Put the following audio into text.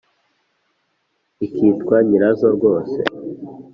ikitwa nyirazo rwose,